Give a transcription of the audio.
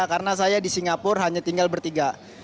karena saya di singapura hanya tinggal bertiga